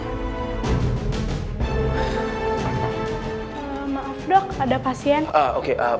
maaf dok ada pasien